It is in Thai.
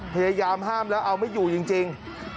พยายามห้ามแล้วเอาไม่อยู่จริง